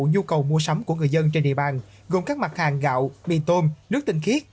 nhu cầu mua sắm của người dân trên địa bàn gồm các mặt hàng gạo mì tôm nước tinh khiết